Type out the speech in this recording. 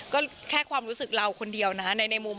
ก็แค่ความรู้สึกเราคนเดียวนะในมุม